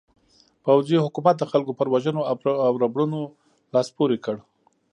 پوځي حکومت د خلکو پر وژنو او ربړونو لاس پورې کړ.